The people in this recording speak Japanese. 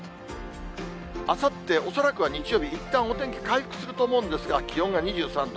あさって、恐らくは日曜日、いったんお天気回復すると思うんですが、気温が２３度。